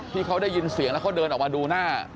ที่เขาได้ยินเสียงแล้วเขาเดินออกมาดูหน้า